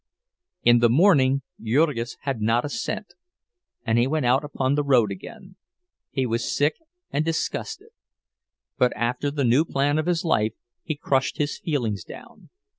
In the morning Jurgis had not a cent, and he went out upon the road again. He was sick and disgusted, but after the new plan of his life, he crushed his feelings down.